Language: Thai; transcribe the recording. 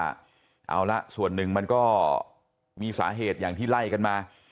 เอาละส่วนหนึ่งมันก็มีสาเหตุอย่างที่ไล่กันมา